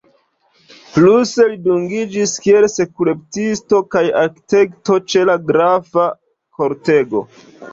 Pluse li dungiĝis kiel skulptisto kaj arkitekto ĉe la grafa kortego.